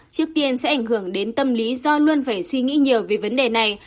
trước tiên sẽ ảnh hưởng đến tâm lý do luôn phải suy nghĩ nhiều về vấn đề này